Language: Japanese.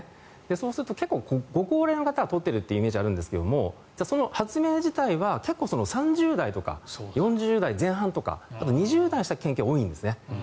そうすると結構ご高齢の方が取っているイメージがあるんですがその発明自体は結構、３０代とか４０代前半とかあと２０代にした研究が多いんですね。